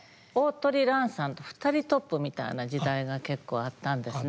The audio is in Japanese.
鳳蘭さんと２人トップみたいな時代が結構あったんですね。